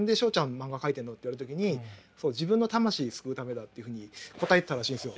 漫画描いてんの？」って言われた時に「自分の魂救うためだ」っていうふうに答えてたらしいんですよ。